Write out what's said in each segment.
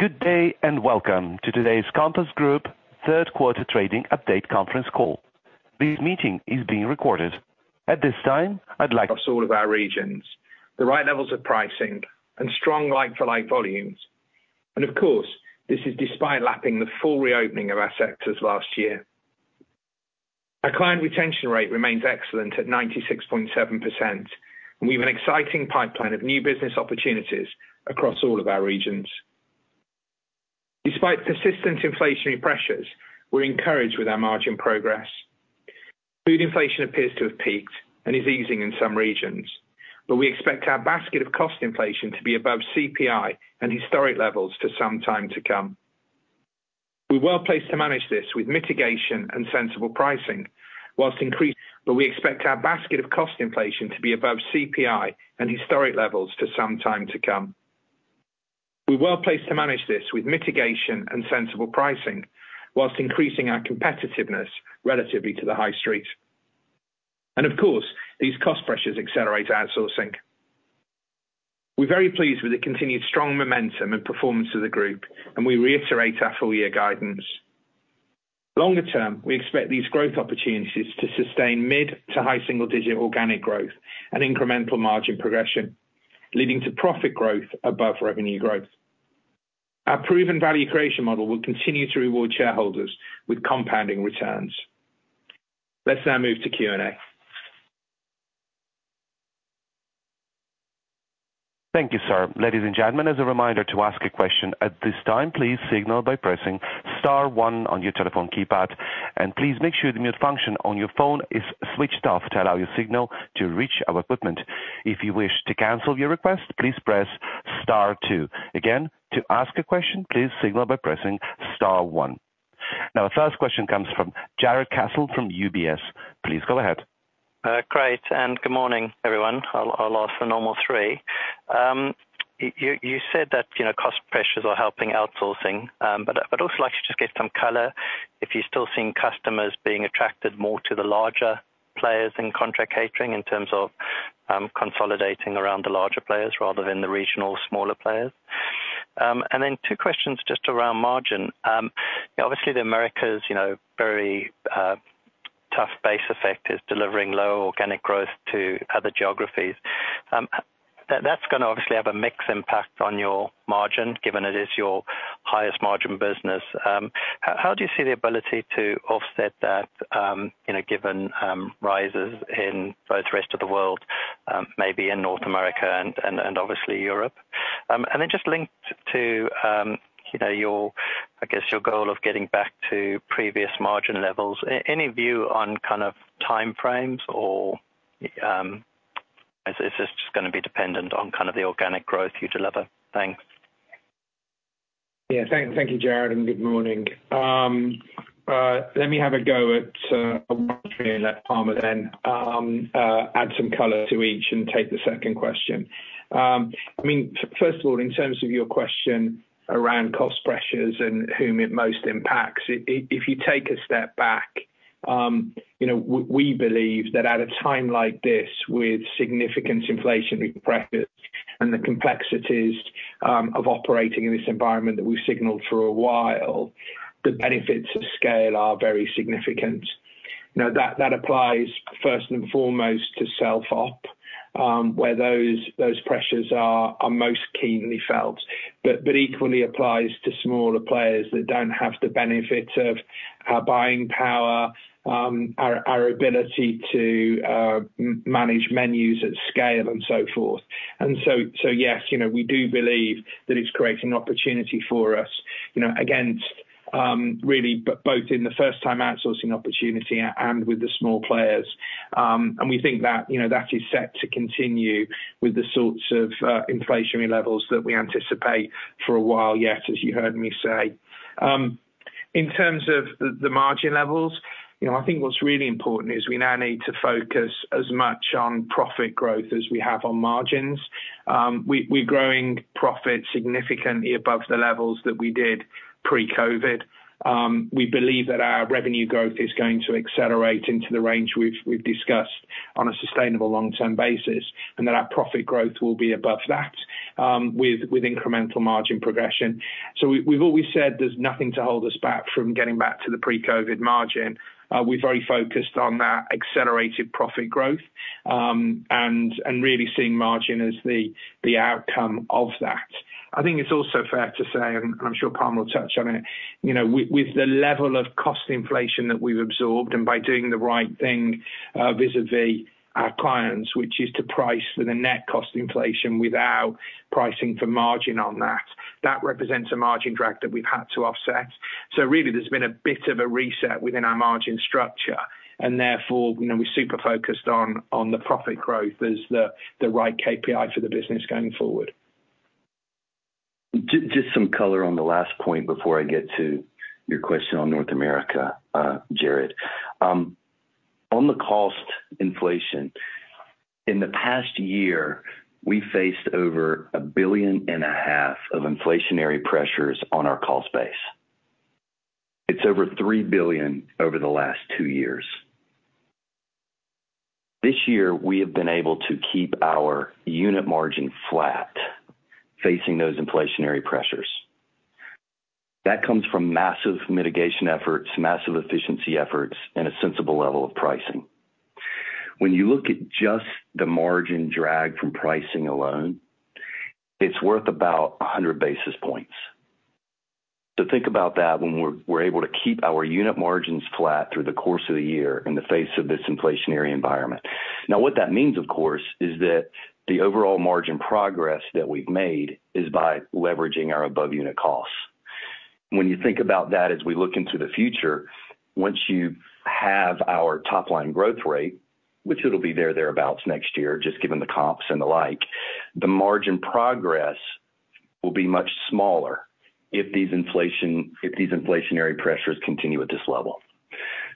Good day, welcome to today's Compass Group third quarter trading update conference call. This meeting is being recorded. At this time, I'd. Across all of our regions, the right levels of pricing and strong like-for-like volumes. Of course, this is despite lapping the full reopening of our sectors last year. Our client retention rate remains excellent at 96.7%, and we have an exciting pipeline of new business opportunities across all of our regions. Despite persistent inflationary pressures, we're encouraged with our margin progress. Food inflation appears to have peaked and is easing in some regions, we expect our basket of cost inflation to be above CPI and historic levels for some time to come. We expect our basket of cost inflation to be above CPI and historic levels for some time to come. We're well-placed to manage this with mitigation and sensible pricing, whilst increasing our competitiveness relatively to the high street. Of course, these cost pressures accelerate outsourcing. We're very pleased with the continued strong momentum and performance of the group, and we reiterate our full year guidance. Longer term, we expect these growth opportunities to sustain mid to high single digit organic growth and incremental margin progression, leading to profit growth above revenue growth. Our proven value creation model will continue to reward shareholders with compounding returns. Let's now move to Q&A. Thank you, sir. Ladies and gentlemen, as a reminder to ask a question at this time, please signal by pressing star one on your telephone keypad, and please make sure the mute function on your phone is switched off to allow your signal to reach our equipment. If you wish to cancel your request, please press star two. Again, to ask a question, please signal by pressing star one. Our first question comes from Jarrod Castle from UBS. Please go ahead. Great, good morning, everyone. I'll ask the normal three. You said that, you know, cost pressures are helping outsourcing, but I'd also like to just get some color, if you're still seeing customers being attracted more to the larger players in contract catering in terms of consolidating around the larger players rather than the regional smaller players? Two questions just around margin. Obviously, the Americas, you know, very tough base effect is delivering lower organic growth to other geographies. That's gonna obviously have a mixed impact on your margin, given it is your highest margin business. How do you see the ability to offset that, you know, given rises in both the rest of the world, maybe in North America and obviously Europe? Just linked to, you know, your, I guess, your goal of getting back to previous margin levels. Any view on kind of time frames or, is this just gonna be dependent on kind of the organic growth you deliver? Thanks. Yeah, thank you, Jarrod, and good morning. Let me have a go at and let Palmer then add some color to each and take the second question. I mean, first of all, in terms of your question around cost pressures and whom it most impacts, if you take a step back, you know, we believe that at a time like this, with significant inflationary pressures and the complexities of operating in this environment that we've signaled for a while, the benefits of scale are very significant. Now, that applies first and foremost to self-op, where those pressures are most keenly felt, but equally applies to smaller players that don't have the benefit of our buying power, our ability to manage menus at scale and so forth. Yes, you know, we do believe that it's creating opportunity for us, you know, against really both in the first-time outsourcing opportunity and with the small players. We think that, you know, that is set to continue with the sorts of inflationary levels that we anticipate for a while yet, as you heard me say. In terms of the margin levels, you know, I think what's really important is we now need to focus as much on profit growth as we have on margins. We're growing profit significantly above the levels that we did pre-COVID. We believe that our revenue growth is going to accelerate into the range we've discussed on a sustainable long-term basis, and that our profit growth will be above that with incremental margin progression. We've always said there's nothing to hold us back from getting back to the pre-COVID margin. We're very focused on that accelerated profit growth, and really seeing margin as the outcome of that. I think it's also fair to say, and I'm sure Palmer will touch on it, you know, with the level of cost inflation that we've absorbed, and by doing the right thing, vis-a-vis our clients, which is to price for the net cost inflation without pricing for margin on that represents a margin drag that we've had to offset. Really, there's been a bit of a reset within our margin structure, and therefore, you know, we're super focused on the profit growth as the right KPI for the business going forward. Just some color on the last point before I get to your question on North America, Jarrod. On the cost inflation, in the past year, we faced over GBP a billion and a half of inflationary pressures on our cost base. It's over 3 billion over the last two years. This year, we have been able to keep our unit margin flat, facing those inflationary pressures. That comes from massive mitigation efforts, massive efficiency efforts, and a sensible level of pricing. When you look at just the margin drag from pricing alone, it's worth about 100 basis points. Think about that when we're able to keep our unit margins flat through the course of the year in the face of this inflationary environment. What that means, of course, is that the overall margin progress that we've made is by leveraging our above unit costs. When you think about that as we look into the future, once you have our top line growth rate, which it'll be there, thereabouts next year, just given the comps and the like, the margin progress will be much smaller if these inflationary pressures continue at this level.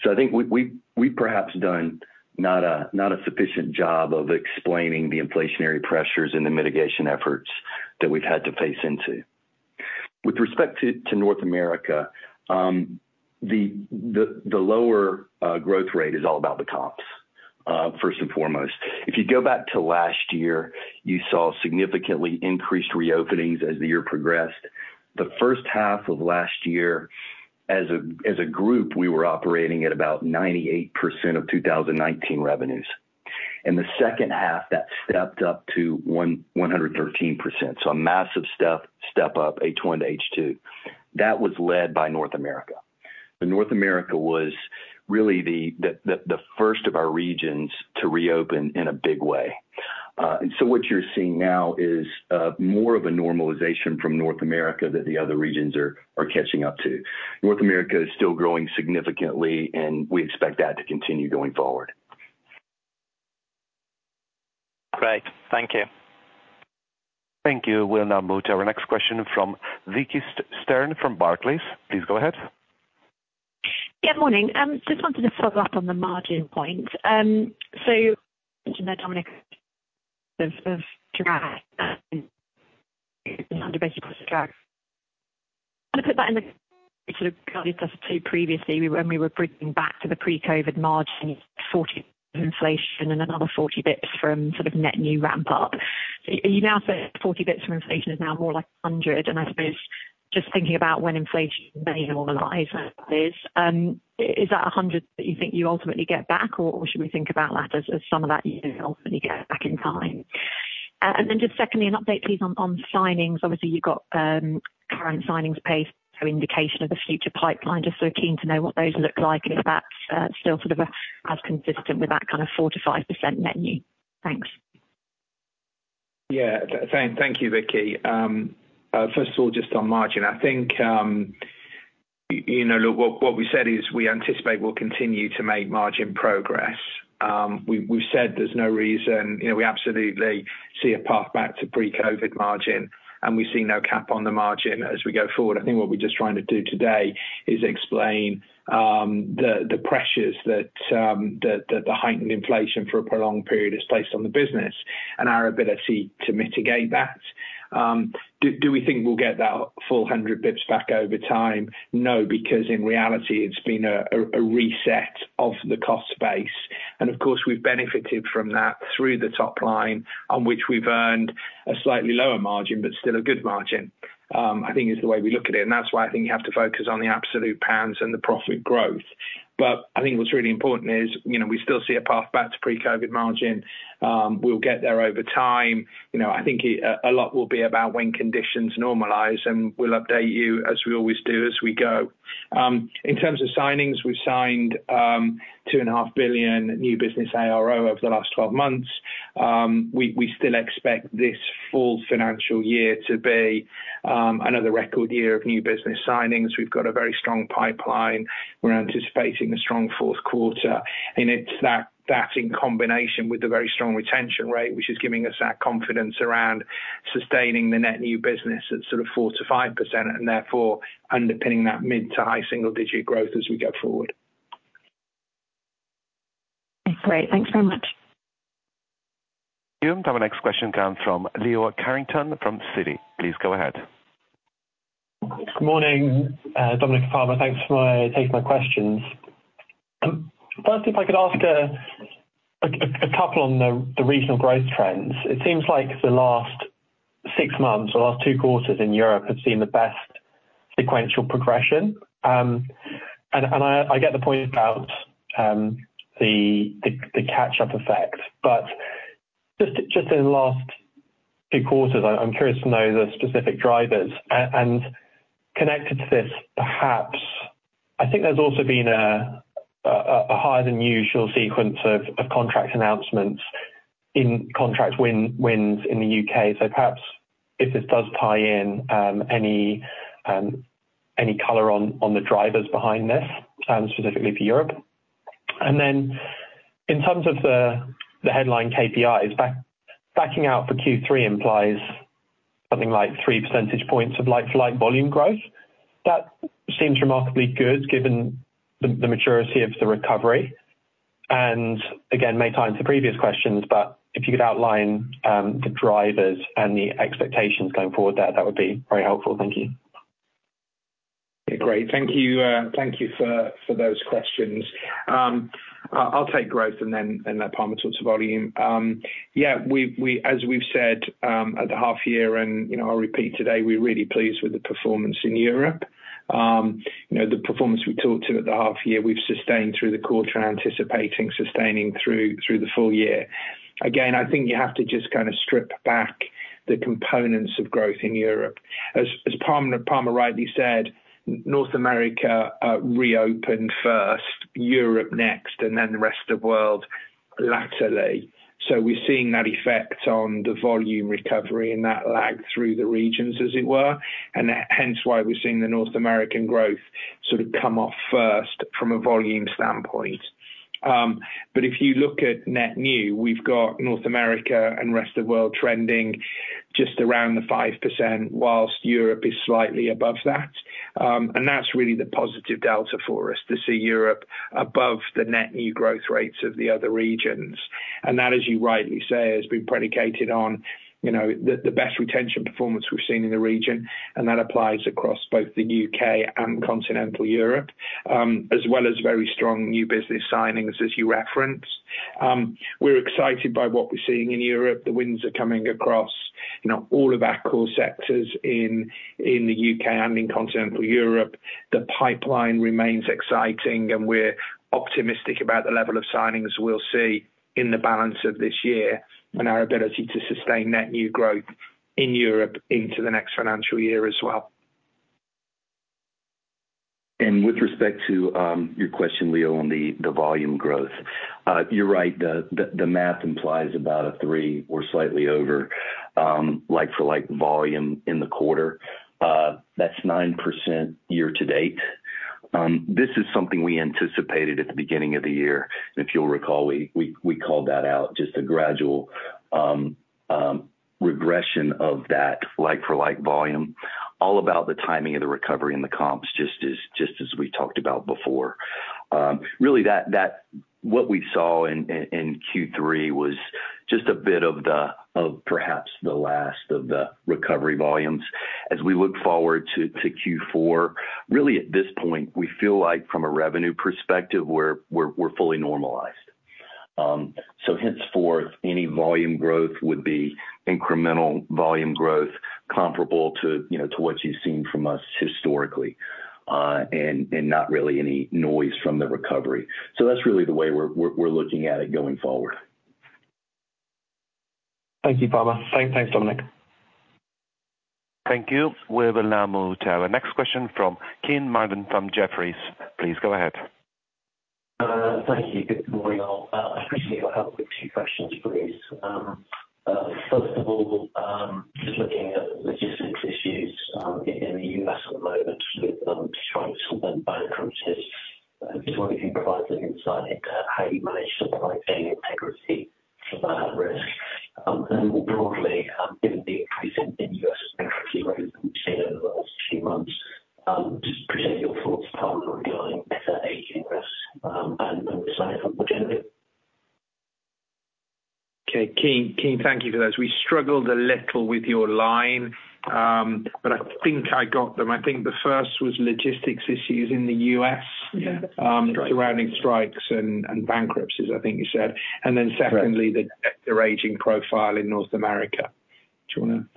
I think we've perhaps done not a, not a sufficient job of explaining the inflationary pressures and the mitigation efforts that we've had to face into. With respect to North America, the lower growth rate is all about the comps first and foremost. If you go back to last year, you saw significantly increased reopenings as the year progressed. The first half of last year, as a group, we were operating at about 98% of 2019 revenues. In the second half, that stepped up to 113%, so a massive step up, H1 to H2. That was led by North America. North America was really the first of our regions to reopen in a big way. What you're seeing now is more of a normalization from North America that the other regions are catching up to. North America is still growing significantly, and we expect that to continue going forward. Great, thank you. Thank you. We'll now move to our next question from Vicki Stern from Barclays. Please go ahead. Good morning. Just wanted to follow up on the margin point. You mentioned that, Dominic, of drag, 100 basis points of drag. I put that in the sort of previously, when we were bringing back to the pre-COVID margin, 40 inflation and another 40 bits from sort of net new ramp up. You now say 40 bits from inflation is now more like 100, I suppose just thinking about when inflation may normalize, is that 100 that you think you ultimately get back, or should we think about that as some of that you ultimately get back in time? Just secondly, an update, please, on signings. Obviously, you got current signings pace for indication of the future pipeline. Just so keen to know what those look like, if that's still sort of as consistent with that kind of 4%-5% net new. Thanks. Thank you, Vicky. First of all, just on margin, I think, you know, look, what we said is we anticipate we'll continue to make margin progress. We've said there's no reason, you know, we absolutely see a path back to pre-COVID margin, and we see no cap on the margin as we go forward. I think what we're just trying to do today is explain the pressures that the heightened inflation for a prolonged period is placed on the business and our ability to mitigate that. Do we think we'll get that full 100 bits back over time? No, because in reality, it's been a reset of the cost base. Of course, we've benefited from that through the top line, on which we've earned a slightly lower margin, but still a good margin, I think is the way we look at it, and that's why I think you have to focus on the absolute pounds and the profit growth. I think what's really important is, you know, we still see a path back to pre-COVID margin. We'll get there over time. You know, I think a lot will be about when conditions normalize, and we'll update you, as we always do, as we go. In terms of signings, we've signed 2.5 billion new business ARO over the last 12 months. We still expect this full financial year to be another record year of new business signings. We've got a very strong pipeline. We're anticipating a strong fourth quarter. It's that in combination with the very strong retention rate, which is giving us that confidence around sustaining the net new business at sort of 4% to 5%, therefore underpinning that mid to high single digit growth as we go forward. Great. Thanks very much. Our next question comes from Leo Carrington from Citi. Please go ahead. Good morning, Dominic Blakemore. Thanks for taking my questions. First, if I could ask a couple on the regional growth trends. It seems like the last six months, the last two quarters in Europe, have seen the best sequential progression. I get the point about the catch-up effect. Just in the last two quarters, I'm curious to know the specific drivers. Connected to this, perhaps, I think there's also been a higher than usual sequence of contract announcements in contract win-wins in the U.K. Perhaps if this does tie in, any color on the drivers behind this, specifically for Europe. In terms of the headline KPIs, backing out for Q3 implies something like three percentage points of like-for-like volume growth. That seems remarkably good, given the maturity of the recovery. Again, may tie into previous questions, if you could outline, the drivers and the expectations going forward, that would be very helpful. Thank you. Okay, great. Thank you, thank you for those questions. I'll take growth and then Palmer talks about volume. Yeah, we've as we've said at the half year and, you know, I'll repeat today, we're really pleased with the performance in Europe. You know, the performance we talked to at the half year, we've sustained through the quarter, anticipating sustaining through the full year. Again, I think you have to just kind of strip back the components of growth in Europe. As Palmer rightly said, North America reopened first, Europe next, and then the rest of world laterally. We're seeing that effect on the volume recovery and that lag through the regions, as it were, and hence why we're seeing the North American growth sort of come off first from a volume standpoint. If you look at net new, we've got North America and rest of world trending just around the 5%, whilst Europe is slightly above that. That's really the positive delta for us, to see Europe above the net new growth rates of the other regions. That, as you rightly say, has been predicated on, you know, the best retention performance we've seen in the region, and that applies across both the UK and continental Europe, as well as very strong new business signings, as you referenced. We're excited by what we're seeing in Europe. The winds are coming across, you know, all of our core sectors in the U.K. and in continental Europe. The pipeline remains exciting, and we're optimistic about the level of signings we'll see in the balance of this year, and our ability to sustain net new growth in Europe into the next financial year as well. With respect to your question, Leo, on the volume growth, you're right, the math implies about a three or slightly over like-for-like volume in the quarter. That's 9% year-to-date. This is something we anticipated at the beginning of the year. If you'll recall, we called that out, just a gradual regression of that like-for-like volume, all about the timing of the recovery in the comps, just as we talked about before. Really, what we saw in Q3 was just a bit of perhaps the last of the recovery volumes. As we look forward to Q4, really, at this point, we feel like from a revenue perspective, we're fully normalized. Henceforth, any volume growth would be incremental volume growth comparable to, you know, to what you've seen from us historically, and not really any noise from the recovery. That's really the way we're looking at it going forward. Thank you, Palmer. Thanks, Dominic. Thank you. We will now move to our next question from Kean Marden from Jefferies. Please go ahead. Thank you. Good morning, all. I appreciate your help with two questions, please. First of all, just looking at logistics issues, in the U.S. at the moment with strikes and bankruptcies, just wonder if you can provide some insight into how you manage to provide any integrity for that risk? More broadly, given the increase in U.S. bankruptcy rates we've seen over the last few months, just present your thoughts, Palmer, regarding debt aging risk, and the size of it generally. Okay, Keane, thank you for those. We struggled a little with your line, but I think I got them. I think the first was logistics issues in the U.S. Yeah. Surrounding strikes and bankruptcies, I think you said. Correct. Secondly, the debtor aging profile in North America.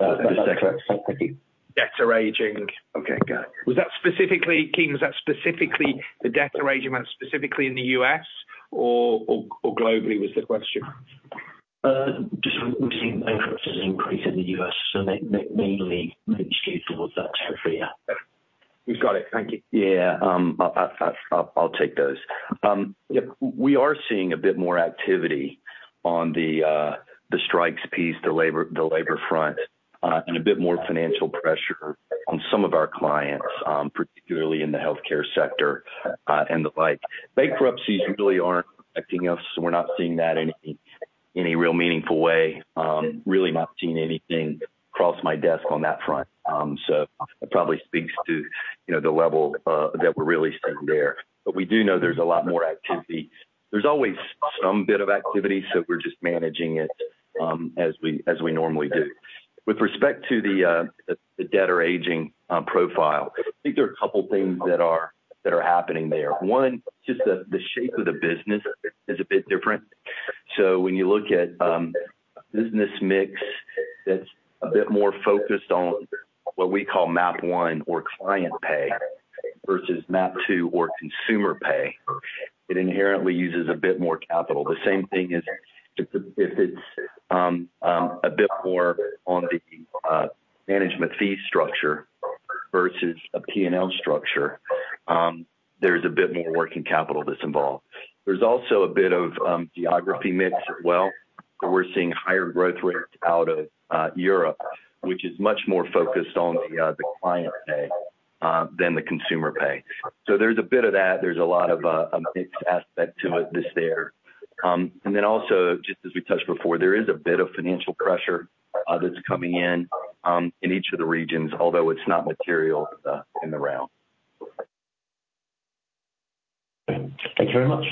That's correct. Thank you. Debtor aging. Okay, got it. Was that specifically, Keane, the debtor aging, specifically in the U.S. or globally, was the question? Just we've seen bankruptcies increase in the U.S., so mainly maybe skewed towards that territory, yeah. We've got it. Thank you. Yeah, I'll take those. Yeah, we are seeing a bit more activity on the strikes piece, the labor front, and a bit more financial pressure on some of our clients, particularly in the healthcare sector, and the like. Bankruptcies really aren't affecting us, so we're not seeing that in any real meaningful way. Really not seeing anything cross my desk on that front. It probably speaks to, you know, the level that we're really seeing there. We do know there's a lot more activity. There's always some bit of activity, so we're just managing it, as we normally do. With respect to the debtor aging profile, I think there are a couple things that are happening there. One, just the shape of the business is a bit different. When you look at business mix, that's a bit more focused on what we call MAP 1 or client pay, versus MAP 2 or consumer pay, it inherently uses a bit more capital. The same thing is if it's a bit more on the management fee structure versus a P&L structure, there's a bit more working capital that's involved. There's also a bit of geography mix as well, where we're seeing higher growth rates out of Europe, which is much more focused on the client pay than the consumer pay. There's a bit of that. There's a lot of a mixed aspect to it that's there. Then also, just as we touched before, there is a bit of financial pressure, that's coming in each of the regions, although it's not material, in the round. Thank you very much.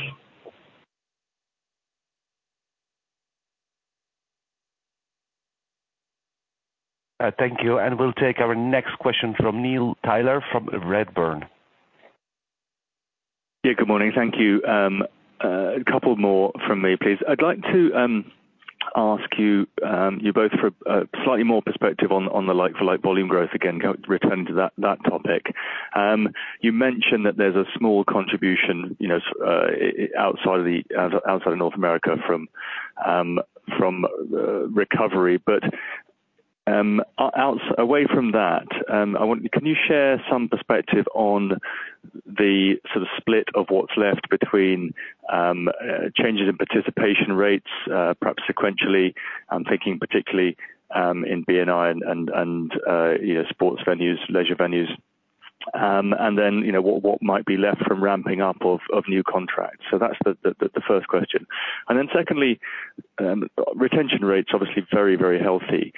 Thank you, and we'll take our next question from Neil Tyler from Redburn. Yeah, good morning. Thank you. A couple more from me, please. I'd like to ask you both for slightly more perspective on the like-for-like volume growth again, return to that topic. You mentioned that there's a small contribution, you know, outside of North America from recovery. Away from that, can you share some perspective on the sort of split of what's left between changes in participation rates, perhaps sequentially? I'm thinking particularly in B&I and, you know, sports venues, leisure venues. What might be left from ramping up of new contracts? That's the first question. Secondly, retention rates, obviously very, very healthy.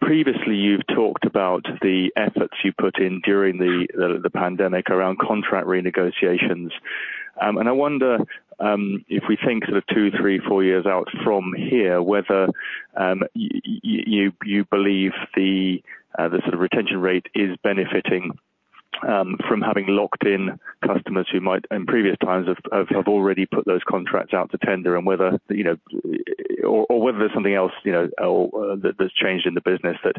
Previously, you've talked about the efforts you put in during the pandemic around contract renegotiations. I wonder, if we think sort of two, three, four years out from here, whether you believe the sort of retention rate is benefiting from having locked in customers who might, in previous times, have already put those contracts out to tender, and whether, you know, or whether there's something else, you know, that's changed in the business that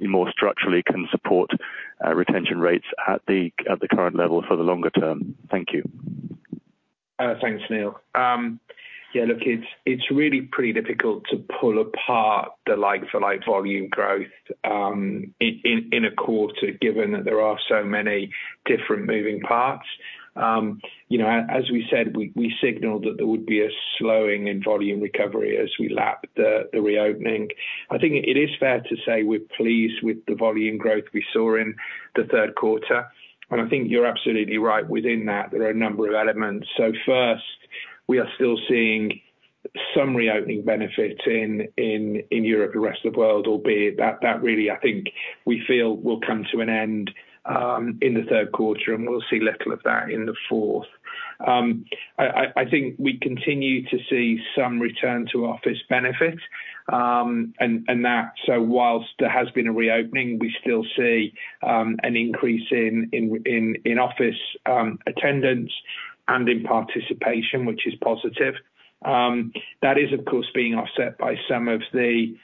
more structurally can support retention rates at the current level for the longer term. Thank you. Thanks, Neil. Yeah, look, it's really pretty difficult to pull apart the like-for-like volume growth in a quarter, given that there are so many different moving parts. You know, as we said, we signaled that there would be a slowing in volume recovery as we lap the reopening. I think it is fair to say we're pleased with the volume growth we saw in the third quarter, and I think you're absolutely right. Within that, there are a number of elements. First, we are still seeing some reopening benefit in Europe and the rest of the world, albeit that really, I think, we feel will come to an end in the third quarter, and we'll see little of that in the fourth. I think we continue to see some return to office benefit, and that so whilst there has been a reopening, we still see an increase in office attendance and in participation, which is positive. That is, of course, being offset by some of the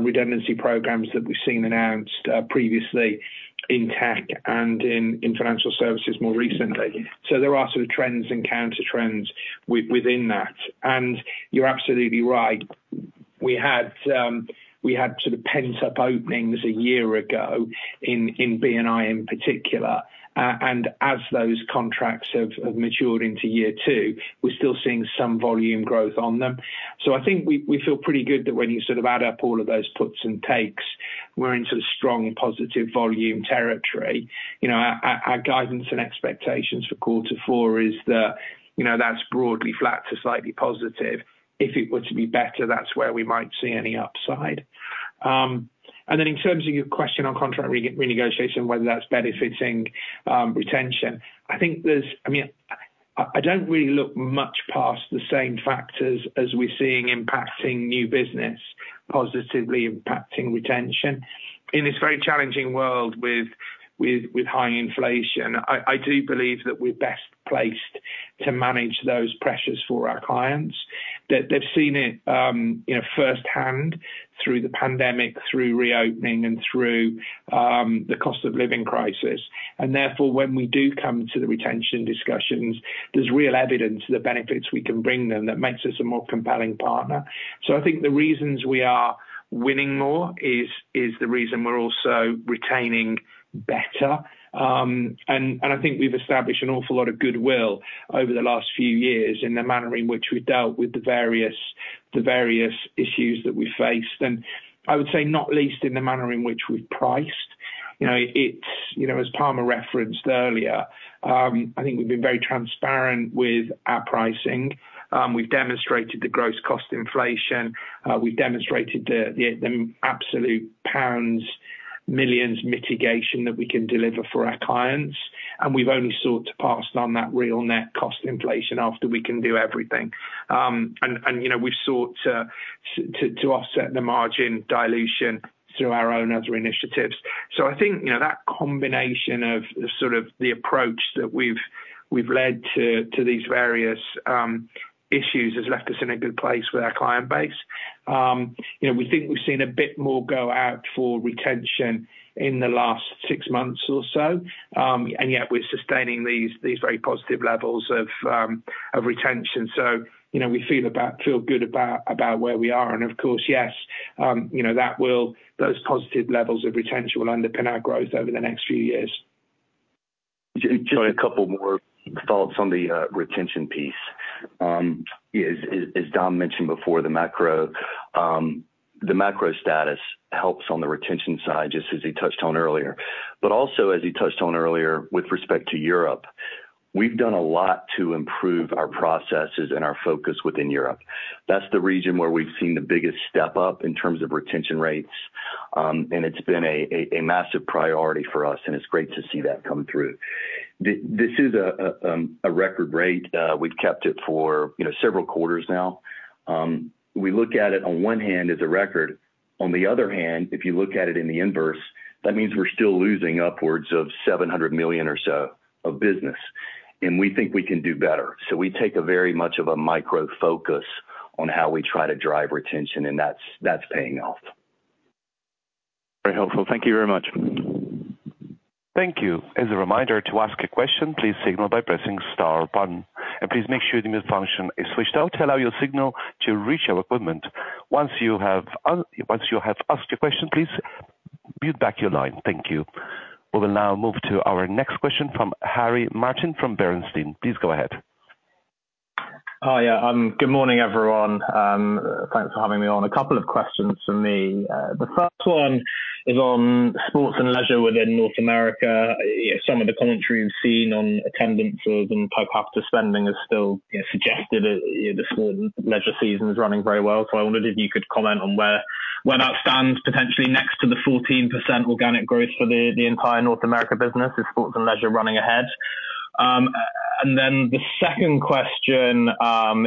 redundancy programs that we've seen announced previously in tech and in financial services more recently. There are sort of trends and counter trends within that. You're absolutely right. We had sort of pent-up openings a year ago in B&I, in particular. As those contracts have matured into year two, we're still seeing some volume growth on them. I think we feel pretty good that when you sort of add up all of those puts and takes, we're into strong, positive volume territory. You know, our guidance and expectations for quarter four is that, you know, that's broadly flat to slightly positive. If it were to be better, that's where we might see any upside. In terms of your question on contract renegotiation, whether that's benefiting retention, I think there's, I mean, I don't really look much past the same factors as we're seeing impacting new business, positively impacting retention. In this very challenging world with high inflation, I do believe that we're best placed to manage those pressures for our clients. That they've seen it, you know, firsthand through the pandemic, through reopening, and through the cost of living crisis. Therefore, when we do come to the retention discussions, there's real evidence of the benefits we can bring them that makes us a more compelling partner. I think the reasons we are winning more is the reason we're also retaining better. I think we've established an awful lot of goodwill over the last few years in the manner in which we've dealt with the various issues that we faced, I would say not least in the manner in which we've priced. You know, it's, you know, as Palmer referenced earlier, I think we've been very transparent with our pricing. We've demonstrated the gross cost inflation, we've demonstrated the absolute pounds millions mitigation that we can deliver for our clients, We've only sought to pass on that real net cost inflation after we can do everything. You know, we've sought to offset the margin dilution through our own other initiatives. I think, you know, that combination of the sort of the approach that we've led to these various issues has left us in a good place with our client base. You know, we think we've seen a bit more go out for retention in the last six months or so, and yet we're sustaining these very positive levels of retention. You know, we feel good about where we are. Of course, yes, you know, those positive levels of retention will underpin our growth over the next few years. Just a couple more thoughts on the retention piece. As Dom mentioned before, the macro, the macro status helps on the retention side, just as he touched on earlier. Also, as he touched on earlier, with respect to Europe, we've done a lot to improve our processes and our focus within Europe. That's the region where we've seen the biggest step up in terms of retention rates, and it's been a massive priority for us, and it's great to see that come through. This is a record rate. We've kept it for, you know, several quarters now. We look at it on one hand as a record, on the other hand, if you look at it in the inverse, that means we're still losing upwards of 700 million or so of business. We think we can do better. We take a very much of a micro focus on how we try to drive retention. That's paying off. Very helpful. Thank you very much. Thank you. As a reminder, to ask a question, please signal by pressing star button. Please make sure the mute function is switched out to allow your signal to reach our equipment. Once you have asked your question, please mute back your line. Thank you. We will now move to our next question from Harry Martin from Bernstein. Please go ahead. Hi, yeah, good morning, everyone. Thanks for having me on. A couple of questions from me. The first one is on sports and leisure within North America. Some of the commentary we've seen on attendance of and post-COVID spending has still, you know, suggested that the sports and leisure season is running very well. I wondered if you could comment on where that stands potentially next to the 14% organic growth for the entire North America business. Is sports and leisure running ahead? And then the second question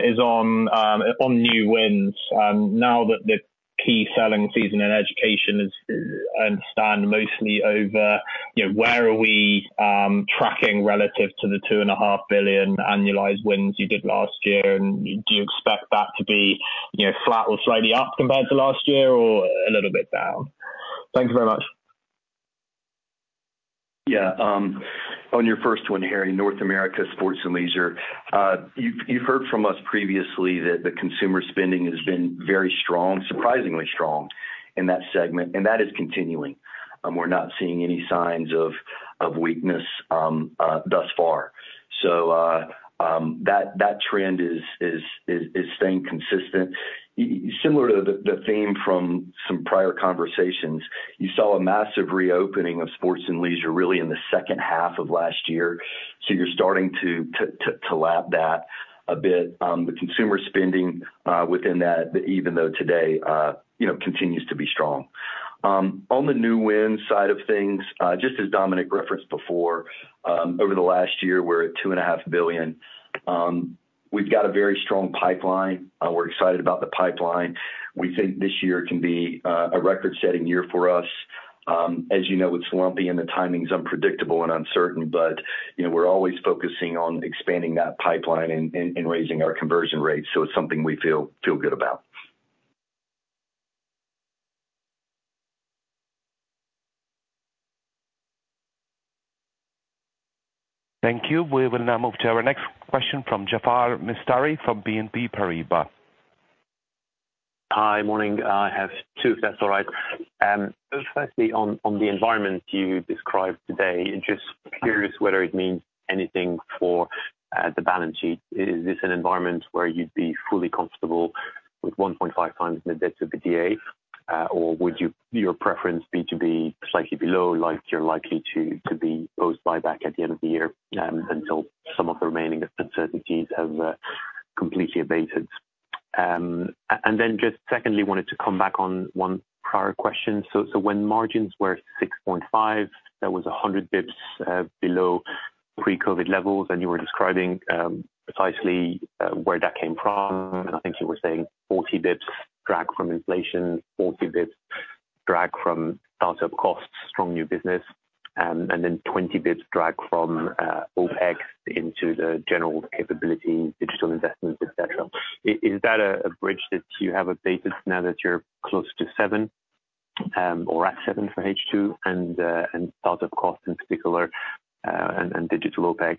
is on new wins. Now that the key selling season in education is, I understand, mostly over, you know, where are we tracking relative to the 2.5 billion annualized wins you did last year? Do you expect that to be, you know, flat or slightly up compared to last year, or a little bit down? Thank you very much. On your first one, Harry, North America, sports and leisure. You've heard from us previously that the consumer spending has been very strong, surprisingly strong in that segment. That is continuing. We're not seeing any signs of weakness thus far. That trend is staying consistent. Similar to the theme from some prior conversations, you saw a massive reopening of sports and leisure really in the second half of last year. You're starting to lap that a bit. The consumer spending within that, even though today, you know, continues to be strong. On the new wins side of things, just as Dominic referenced before, over the last year, we're at $2.5 billion. We've got a very strong pipeline. We're excited about the pipeline. We think this year can be a record-setting year for us. As you know, it's lumpy and the timing's unpredictable and uncertain, you know, we're always focusing on expanding that pipeline and raising our conversion rate, so it's something we feel good about. Thank you. We will now move to our next question from Jaafar Mestari, from BNP Paribas. Hi, morning. I have two, if that's all right. Firstly, on the environment you described today, just curious whether it means anything for the balance sheet. Is this an environment where you'd be fully comfortable with 1.5x net debt to EBITDA, or would your preference be to be slightly below, like you're likely to be post buyback at the end of the year, until some of the remaining uncertainties have completely abated? Just secondly, wanted to come back on one prior question. When margins were 6.5%, that was 100 basis points below pre-COVID levels, and you were describing precisely where that came from. I think you were saying 40 bips drag from inflation, 40 bips drag from startup costs, strong new business, and then 20 bips drag from OPEX into the general capability, digital investments, et cetera. Is that a bridge that you have updated now that you're closer to seven, or at seven for H2, and startup costs in particular, and digital OPEX,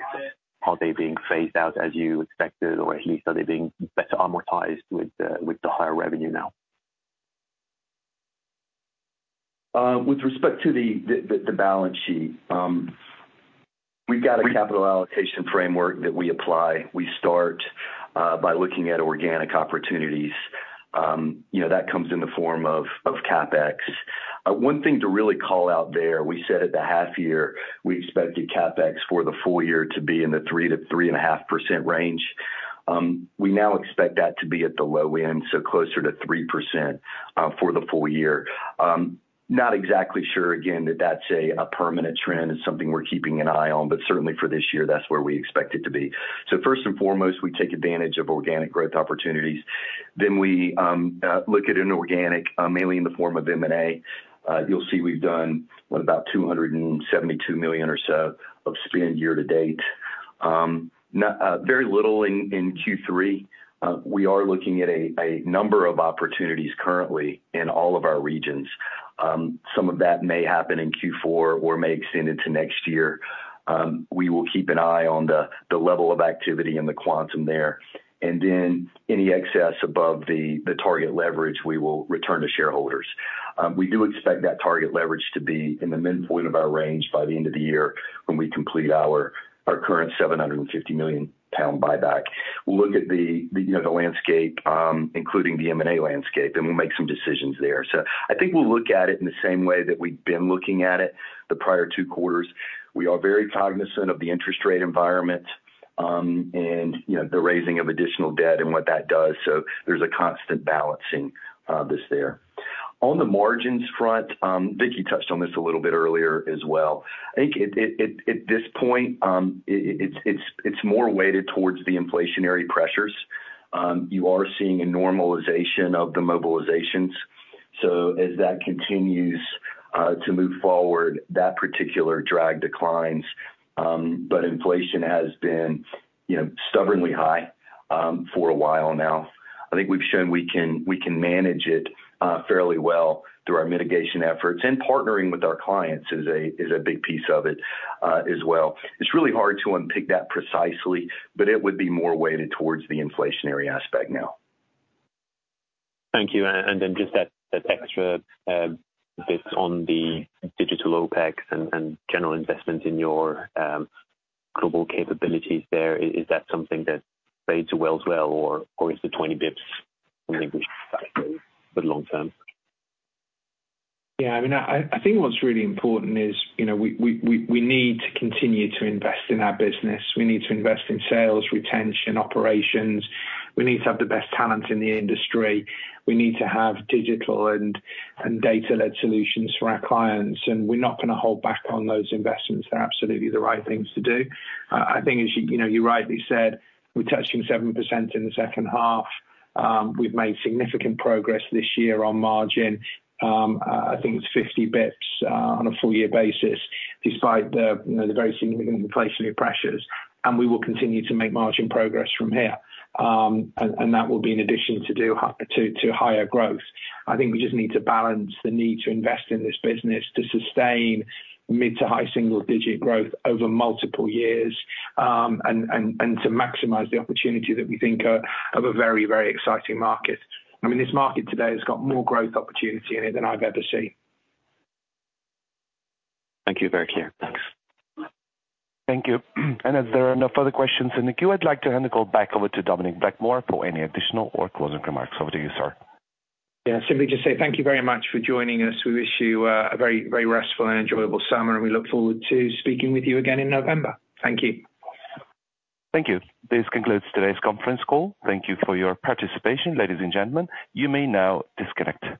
are they being phased out as you expected, or at least are they being better amortized with the higher revenue now? With respect to the balance sheet, we've got a capital allocation framework that we apply. We start by looking at organic opportunities. You know, that comes in the form of CapEx. One thing to really call out there, we said at the half year, we expected CapEx for the full year to be in the 3%-3.5% range. We now expect that to be at the low end, so closer to 3%, for the full year. Not exactly sure, again, that that's a permanent trend. It's something we're keeping an eye on, but certainly for this year, that's where we expect it to be. First and foremost, we take advantage of organic growth opportunities. We look at inorganic, mainly in the form of M&A. You'll see we've done, what, about 272 million or so of spend year to date. Very little in Q3. We are looking at a number of opportunities currently in all of our regions. Some of that may happen in Q4 or may extend into next year. We will keep an eye on the level of activity and the quantum there. Any excess above the target leverage, we will return to shareholders. We do expect that target leverage to be in the midpoint of our range by the end of the year, when we complete our current 750 million pound buyback. We'll look at the, you know, the landscape, including the M&A landscape, and we'll make some decisions there. I think we'll look at it in the same way that we've been looking at it the prior two quarters. We are very cognizant of the interest rate environment, and, you know, the raising of additional debt and what that does. There's a constant balancing of this there. On the margins front, Vicky touched on this a little bit earlier as well. I think at this point, it's more weighted towards the inflationary pressures. You are seeing a normalization of the mobilizations. As that continues to move forward, that particular drag declines, but inflation has been, you know, stubbornly high, for a while now. I think we've shown we can manage it fairly well through our mitigation efforts. Partnering with our clients is a big piece of it as well. It's really hard to unpick that precisely. It would be more weighted towards the inflationary aspect now. Thank you. Then just that extra, this on the digital OPEX and general investment in your, global capabilities there, is that something that plays to scale well, or is the 20 bips something but long term? Yeah, I mean, I think what's really important is, you know, we need to continue to invest in our business. We need to invest in sales, retention, operations. We need to have the best talent in the industry. We need to have digital and data-led solutions for our clients, and we're not gonna hold back on those investments. They're absolutely the right things to do. I think as you know, you rightly said, we're touching 7% in the second half. We've made significant progress this year on margin. I think it's 50 basis points on a full year basis, despite the, you know, the very significant inflationary pressures, and we will continue to make margin progress from here. That will be in addition to higher growth. I think we just need to balance the need to invest in this business to sustain mid to high single digit growth over multiple years, and to maximize the opportunity that we think are of a very, very exciting market. I mean, this market today has got more growth opportunity in it than I've ever seen. Thank you. Very clear. Thanks. Thank you. As there are no further questions in the queue, I'd like to hand the call back over to Dominic Blakemore for any additional or closing remarks. Over to you, sir. Simply just say thank you very much for joining us. We wish you a very, very restful and enjoyable summer, and we look forward to speaking with you again in November. Thank you. Thank you. This concludes today's conference call. Thank you for your participation, ladies and gentlemen. You may now disconnect.